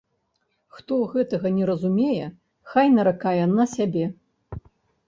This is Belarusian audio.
Хто гэтага не разумее, хай наракае на сябе.